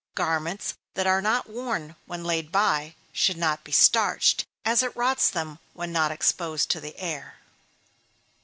Garments that are not worn, when laid by, should not be starched, as it rots them when not exposed to the air.